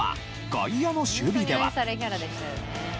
外野の守備では。